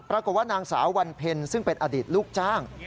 ปรากฏว่านางสาววันเพ็ญซึ่งเป็นอดีตลูกจ้าง